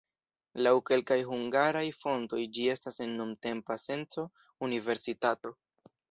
Laŭ kelkaj hungaraj fontoj ĝi estas en nuntempa senco universitato.